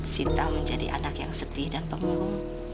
sita menjadi anak yang sedih dan pemulung